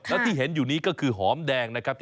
แล้วที่เห็นอยู่นี้ก็คือหอมแดงนะครับ